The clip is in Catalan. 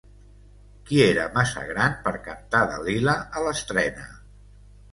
Qui era massa gran per cantar Dalila a l'estrena?